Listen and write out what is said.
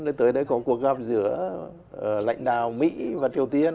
là tới đây có cuộc gặp giữa lãnh đạo mỹ và triều tiên